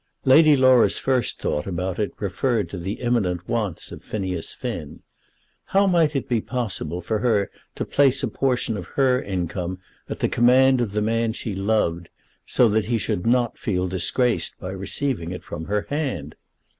Lady Laura's first thought about it referred to the imminent wants of Phineas Finn. How might it be possible for her to place a portion of her income at the command of the man she loved so that he should not feel disgraced by receiving it from her hand?